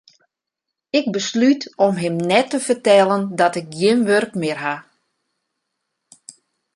Ik beslút om him net te fertellen dat ik gjin wurk mear ha.